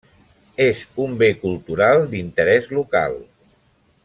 És un Bé Cultural d'Interès Local.